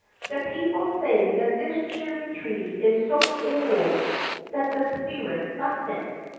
The people say that this cherry tree is so old that the spirit left it.